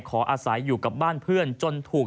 ขออาศัยอยู่กับบ้านเพื่อนจนถูก